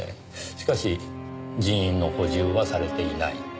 しかし人員の補充はされていない。